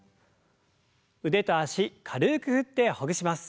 腕と脚軽く振ってほぐします。